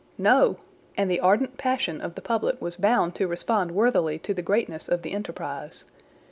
No! and the ardent passion of the public was bound to respond worthily to the greatness of the enterprise.